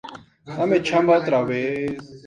A finales de ese año la grabación estaba casi terminada.